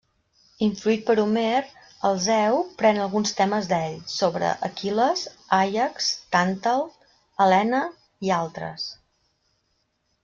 Influït per Homer, Alceu pren alguns temes d'ell, sobre Aquil·les, Àiax, Tàntal, Helena, i altres.